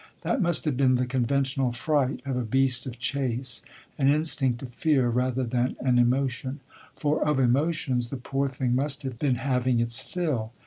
That must have been the conventional fright of a beast of chase, an instinct to fear rather than an emotion; for of emotions the poor thing must have been having its fill.